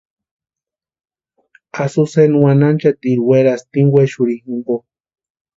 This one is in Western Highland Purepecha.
Azucena wanhanchatiri werasti ini wexurhini jimpo.